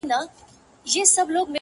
هلته به پوه سې چي د میني اور دي وسوځوي!!